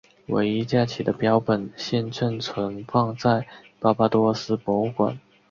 唯一架起的标本现正存放在巴巴多斯博物馆。